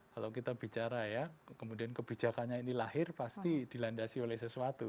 kalau kita bicara ya kemudian kebijakannya ini lahir pasti dilandasi oleh sesuatu